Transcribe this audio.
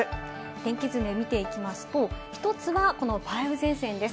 天気図を見ていきますと、１つはこの梅雨前線です。